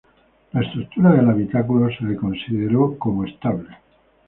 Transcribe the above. La estructura del habitáculo fue considerada como estable.